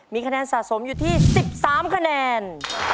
มีคะแนนสะสมอยู่ที่๑๓คะแนน